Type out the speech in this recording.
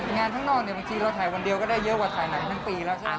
งานข้างนอกเนี่ยบางทีเราถ่ายวันเดียวก็ได้เยอะกว่าถ่ายหนังทั้งปีแล้วใช่ไหม